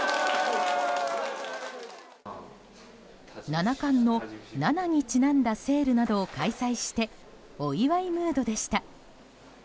七冠の７にちなんだセールなどを開催してお祝いムードでした。